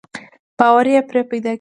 باور يې پرې پيدا کېږي.